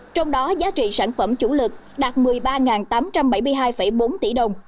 trong đó giá trị sản phẩm chủ lực đạt một mươi ba tám trăm bảy mươi hai bốn tỷ đồng